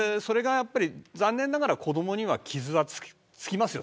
残念ながら子どもには傷が付きますよ。